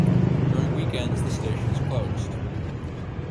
During weekends, the station is closed.